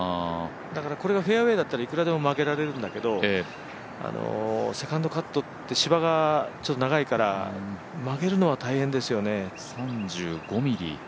だからこれがフェアウエーだったらいくらでも曲げられるんだけどセカンドカットって、芝がちょっと長いから曲げるのは大変ですよね。